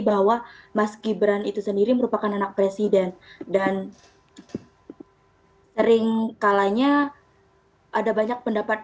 bahwa mas gibran itu sendiri merupakan anak presiden dan seringkalanya ada banyak pendapat